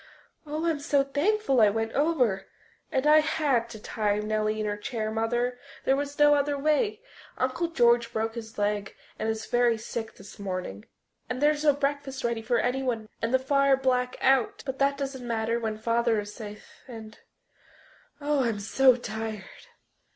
"Oh, I'm so thankful I went over. And I had to tie Nellie in her chair, Mother, there was no other way. Uncle George broke his leg and is very sick this morning, and there's no breakfast ready for anyone and the fire black out ... but that doesn't matter when Father is safe ... and oh, I'm so tired!"